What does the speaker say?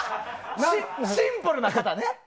シンプルな方ね。